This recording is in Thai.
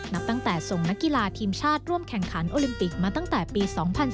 นับตั้งแต่ส่งนักกีฬาทีมชาติร่วมแข่งขันโอลิมปิกมาตั้งแต่ปี๒๐๑๙